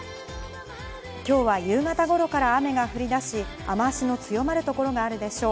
今日は夕方頃から雨が降り出し、雨脚の強まる所があるでしょう。